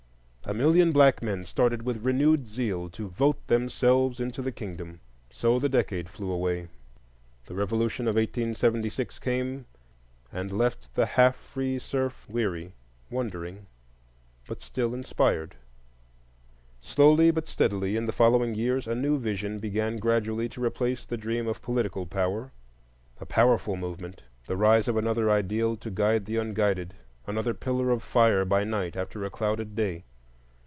A million black men started with renewed zeal to vote themselves into the kingdom. So the decade flew away, the revolution of 1876 came, and left the half free serf weary, wondering, but still inspired. Slowly but steadily, in the following years, a new vision began gradually to replace the dream of political power,—a powerful movement, the rise of another ideal to guide the unguided, another pillar of fire by night after a clouded day.